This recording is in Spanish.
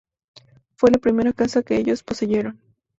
Fue la primera casa que ellos poseyeron.